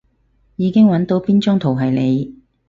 已經搵到邊張圖係你